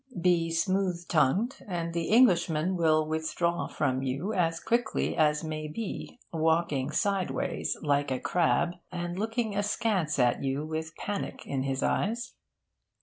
Be smooth tongued, and the Englishman will withdraw from you as quickly as may be, walking sideways like a crab, and looking askance at you with panic in his eyes.